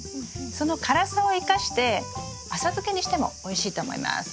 その辛さを生かして浅漬けにしてもおいしいと思います。